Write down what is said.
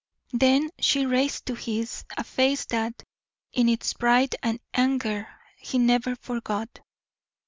Then she raised to his a face that, in its pride and anger, he never forgot.